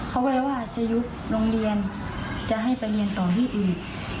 เขาก็เลยว่าจะยุบโรงเรียนจะให้ไปเรียนต่อที่อื่น